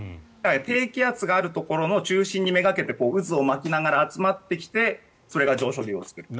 低気圧があるところの中心にめがけて渦を巻きながら集まってきてそれが上昇気流を作る。